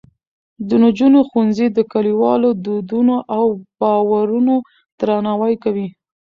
د نجونو ښوونځي د کلیوالو دودونو او باورونو درناوی کوي.